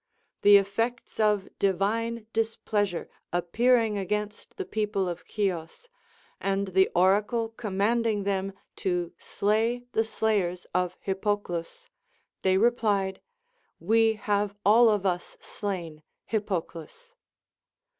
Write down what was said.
The effects of divine displeasure appearing against the people of Chios, and the oracle commanding them to slay the slayers of Hippoclus, they replied, ΛΥο have all of us slain Hippoclus.